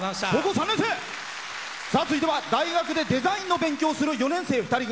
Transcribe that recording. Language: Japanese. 続いては大学でデザインの勉強をする４年生２人組。